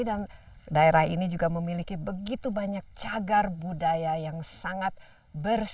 dan daerah ini juga memiliki begitu banyak cagar budaya yang sangat bersih